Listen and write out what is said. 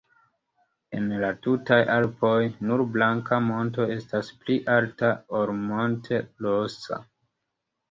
En la tutaj Alpoj, nur Blanka Monto estas pli alta ol Monte-Rosa.